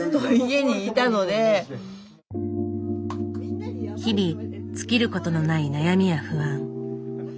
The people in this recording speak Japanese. やっぱり日々尽きることのない悩みや不安。